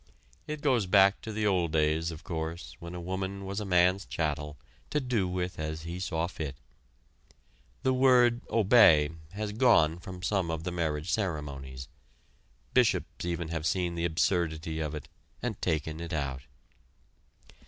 It goes back to the old days, of course, when a woman was a man's chattel, to do with as he saw fit. The word "obey" has gone from some of the marriage ceremonies. Bishops even have seen the absurdity of it and taken it out.